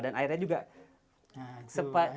dan airnya juga seperti berbunyi